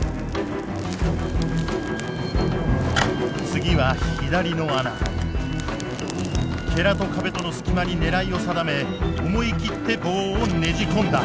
次は左の穴。と壁との隙間に狙いを定め思い切って棒をねじ込んだ。